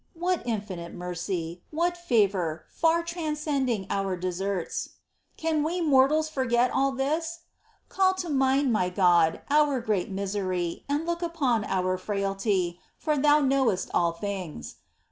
What infinite mercy ! what favour, far transcending our deserts ! Can we mortals forget all this ? Call to mind, my God, our great misery, and look upon our frailty, for Thou knowest all things.